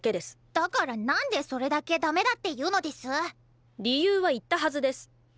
だからなんでそれだけダメだって言うのデス⁉理由は言ったはずです。